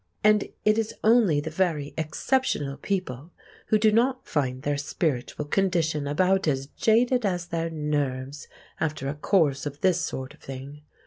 And it is only the very exceptional people who do not find their spiritual condition about as jaded as their nerves after a course of this sort of thing.